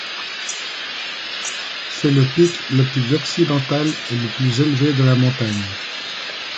C'est le pic le plus occidental et le plus élevé de la montagne.